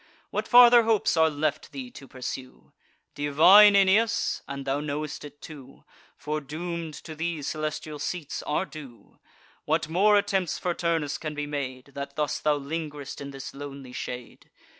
What farther hopes are left thee to pursue? Divine Aeneas, (and thou know'st it too,) Foredoom'd, to these celestial seats are due. What more attempts for Turnus can be made, That thus thou ling'rest in this lonely shade?